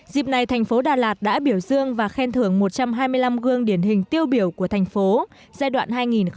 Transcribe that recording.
dịp này thành phố đà lạt đã biểu dương và khen thưởng một trăm hai mươi năm gương điển hình tiêu biểu của thành phố giai đoạn hai nghìn một mươi năm hai nghìn hai mươi